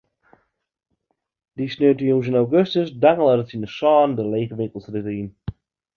Dy sneontejûns yn augustus dangele er tsjin sânen de lege winkelstrjitte yn.